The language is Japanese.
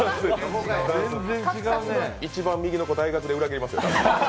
一番右の子、大学で裏切りますよ。